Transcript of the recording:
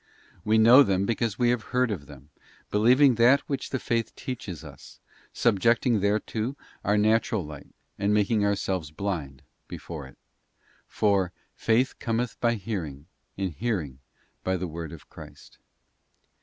We know them because we have heard of them, believing that which the faith teaches us, subjecting thereto our natural _ light, and making ourselves blind before it: for ' faith cometh by hearing, and hearing by the Word of Christ.